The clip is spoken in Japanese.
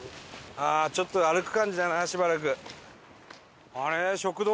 ああちょっと歩く感じだなしばらく。